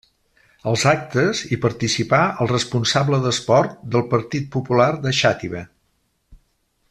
Als actes hi participà el responsable d'esport del Partit Popular de Xàtiva.